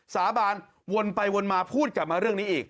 สาบานวนไปวนมาพูดกลับมาเรื่องนี้อีก